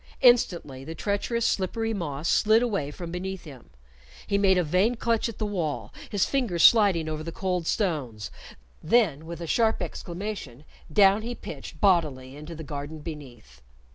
Instantly the treacherous slippery moss slid away from beneath him; he made a vain clutch at the wall, his fingers sliding over the cold stones, then, with a sharp exclamation, down he pitched bodily into the garden beneath!